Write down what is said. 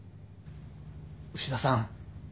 牛田さん